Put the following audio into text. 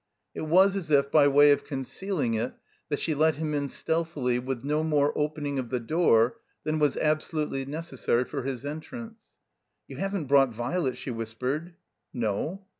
It was as if by way of concealing it that she let him in stealthily with no more opening of the door than was absolutely necessary for his entrance. "You haven't brought Vilet?" she whispered. "No."